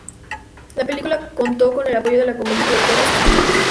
La película contó con el apoyo de la compañía productora "Strix Drama".